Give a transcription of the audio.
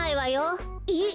えっ？